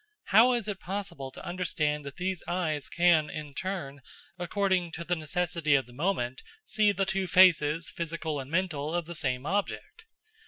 How is it possible to understand that these eyes can, in turn, according to the necessity of the moment, see the two faces, physical and mental, of the same object?